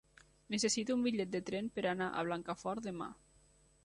Necessito un bitllet de tren per anar a Blancafort demà.